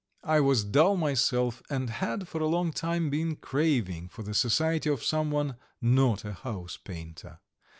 I was dull myself, and had for a long time been craving for the society of someone not a house painter.